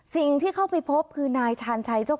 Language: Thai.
สิ่งที่เข้าไปพบคือนายชาญชัย